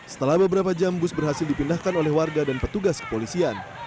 setelah beberapa jam bus berhasil dipindahkan oleh warga dan petugas kepolisian